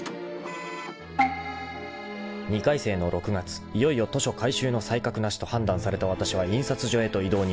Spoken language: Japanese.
［２回生の６月いよいよ図書回収の才覚なしと判断されたわたしは印刷所へと異動になった］